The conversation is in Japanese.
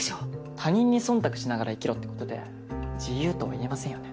他人に忖度しながら生きろってことで自由とは言えませんよね？